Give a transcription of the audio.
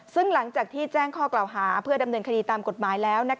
ซึ่งหลังจากที่แจ้งข้อกล่าวหาเพื่อดำเนินคดีตามกฎหมายแล้ว